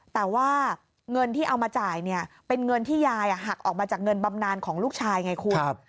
แต่ว่าเงินที่เอามาจ่ายเนี่ยเป็นเงินที่ยายหักออกมาจากเงินบำนานของลูกชายไงคุณ